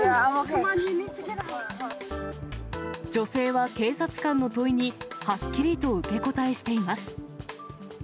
女性は警察官の問いに、はっきりと受け答えしています。